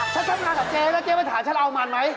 ฉันทำงานกับเจ๊แล้วเจ๊มาถามฉันเอามันไหม